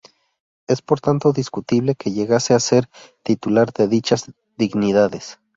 Es por tanto discutible que llegase a ser titular de dichas dignidades.